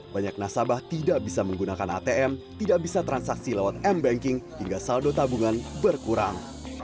banyak nasabah tidak bisa menggunakan atm tidak bisa transaksi lewat m banking hingga saldo tabungan berkurang